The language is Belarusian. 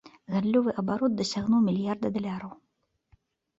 Гандлёвы абарот дасягнуў мільярда даляраў!